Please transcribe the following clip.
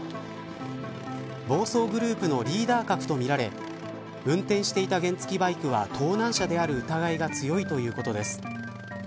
暴走グループのリーダー格とみられ運転していた原付バイクは盗難車である疑いが強いということです。